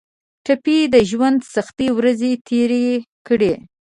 ټپي د ژوند سختې ورځې تېرې کړي.